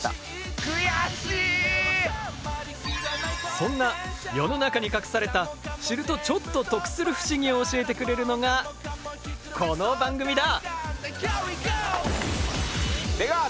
そんな世の中に隠された知るとちょっと得する不思議を教えてくれるのがこの番組だ！